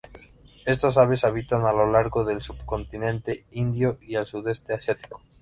Estas aves habitan a lo largo del subcontinente indio y el sudeste asiático.